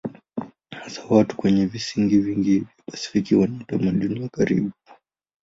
Hasa watu kwenye visiwa vingi vya Pasifiki wana utamaduni wa karibu.